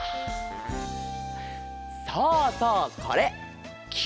そうそうこれきのこ。